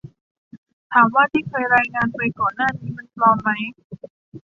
ถามว่าที่เคยรายงานไปก่อนหน้านี้มันปลอมไหม